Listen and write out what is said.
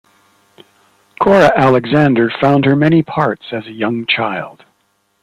Cora Alexander found her many parts as a young child.